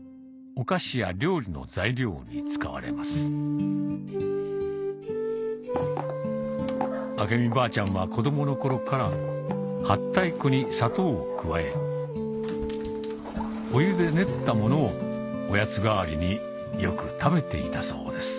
お菓子や料理の材料に使われます明美ばあちゃんは子供の頃からはったい粉に砂糖を加えお湯で練ったものをおやつ代わりによく食べていたそうです